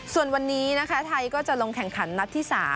ส่วนวันนี้นะคะไทยก็จะลงแข่งขันนัดที่๓